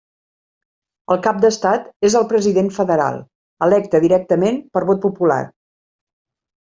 El cap d'estat és el president federal, electe directament per vot popular.